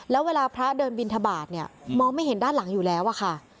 แล้วเวลาพระเดินบินทบาทเนี่ยมองไม่เห็นด้านหลังอยู่แล้วอะค่ะ